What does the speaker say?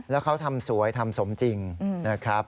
แล้วเขาทำสวยทำสมจริงนะครับ